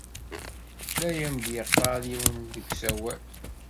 La am-d-yeɣɣar yiwen deg usawal.